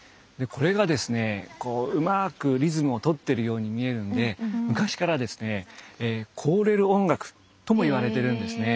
これがですねうまくリズムを取ってるように見えるんで昔からですね「凍れる音楽」ともいわれてるんですね。